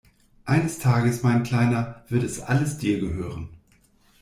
Eines Tages, mein Kleiner, wird es alles dir gehören!